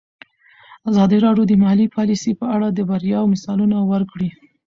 ازادي راډیو د مالي پالیسي په اړه د بریاوو مثالونه ورکړي.